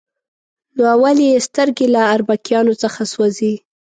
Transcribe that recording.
نو اول یې سترګې له اربکیانو څخه سوځي.